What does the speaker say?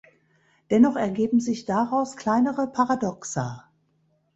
Dennoch ergeben sich daraus kleinere Paradoxa.